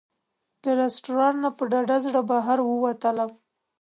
له رسټورانټ نه په ډاډه زړه بهر ووتلم.